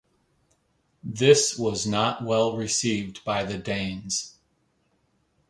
This was not well received by the Danes.